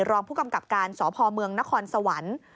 รองผู้กำกับการสพเมืองนครสวรรค์